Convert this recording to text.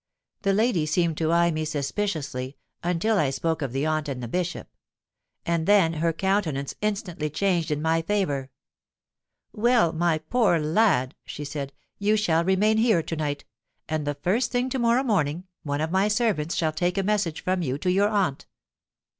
The lady seemed to eye me suspiciously until I spoke of the aunt and the Bishop; and then her countenance instantly changed in my favour. 'Well, my poor lad,' she said, 'you shall remain here to night; and the first thing to morrow morning, one of my servants shall take a message from you to your aunt.'